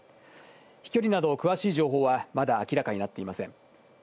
飛距離など詳しい情報はまだ明らかになっていません。